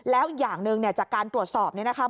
แล้วอีกอย่างหนึ่งเนี่ยจากการตรวจสอบเนี่ยนะคะ